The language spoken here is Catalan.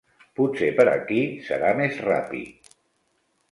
Potser per aquí serà més ràpid.